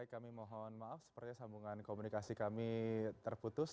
kami mohon maaf sepertinya sambungan komunikasi kami terputus